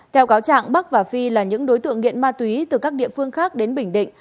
theo cáo trạng bắc và phi là những đối tượng nghiện ma túy từ các địa phương khác đến bình định